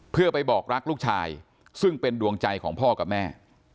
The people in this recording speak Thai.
เพื่อไปบอกรักลูกชายซึ่งเป็นดวงใจของพ่อกับแม่